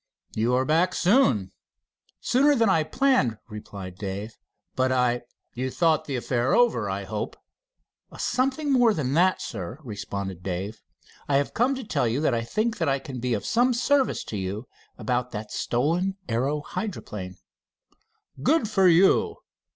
"You are back soon." "Sooner than I planned," replied Dave, "But I " "You've thought the affair over, I hope?" "Something more than that, Sir," responded Dave. "I have come to tell you that I think I can be of some service to you about that stolen aero hydroplane." "Good for you!"